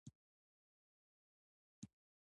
د درملنې دوه ډوله لاره شته.